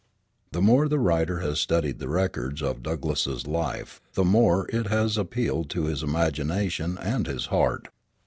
The more the writer has studied the records of Douglass's life, the more it has appealed to his imagination and his heart.